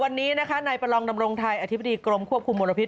วันนี้นะคะนายประลองดำรงไทยอธิบดีกรมควบคุมมลพิษ